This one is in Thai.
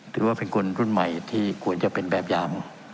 ถือว่าเป็นคนรุ่นใหม่ที่ควรจะเป็นแบบอย่าง